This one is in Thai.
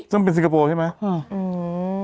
ซึ่งเป็นซิงคโปร์ใช่ไหม